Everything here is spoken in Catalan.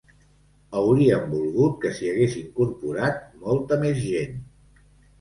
Hauríem volgut que s’hi hagués incorporat molta més gent.